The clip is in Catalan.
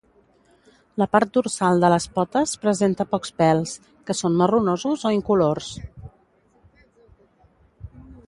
La part dorsal de les potes presenta pocs pèls, que són marronosos o incolors.